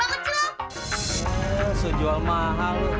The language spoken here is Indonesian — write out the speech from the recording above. eh sejual mahal